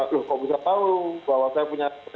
loh kok bisa tahu bahwa saya punya